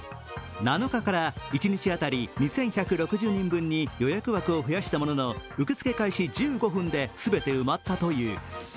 ７日から一日当たり２１６０人に予約枠を増やしたものの受付開始１５分ですべて埋まったという。